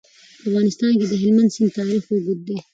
په افغانستان کې د هلمند سیند تاریخ اوږد دی.